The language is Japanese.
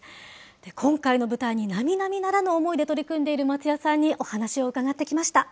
今回の舞台になみなみならぬ思いで取り組んでいる松也さんに、お話を伺ってきました。